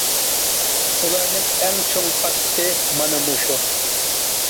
ئۇلارنىڭ ئەڭ چوڭ خاسلىقى مانا مۇشۇ.